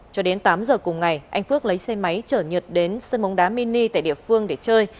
cho đến tám h cùng ngày anh phước lấy xe máy chở nhật đến sơn mống đá mini tại địa phương để chơi